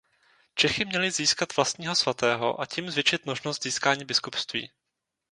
Čechy měly získat vlastního svatého a tím zvětšit možnost získání biskupství.